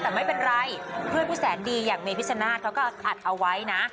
แต่ไม่เป็นไรเพื่อนผู้แสนดีอย่างเมพิชนาธิ์เขาก็อัดเอาไว้นะ